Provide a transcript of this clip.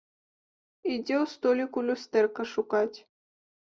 Ідзе ў століку люстэрка шукаць.